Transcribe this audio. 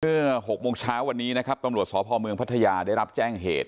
๖โมงเช้าวันนี้นะครับตำรวจสพเมืองพัทยาได้รับแจ้งเหตุ